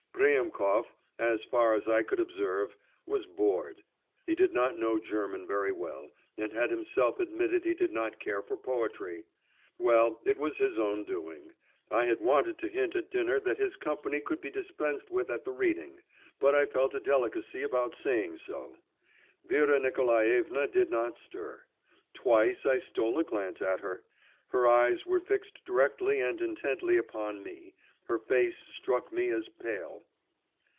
Priemkov, as far as I could observe, was bored; he did not know German very well, and had himself admitted he did not care for poetry!… Well, it was his own doing! I had wanted to hint at dinner that his company could be dispensed with at the reading, but I felt a delicacy about saying so. Vera Nikolaevna did not stir; twice I stole a glance at her. Her eyes were fixed directly and intently upon me; her face struck me as pale.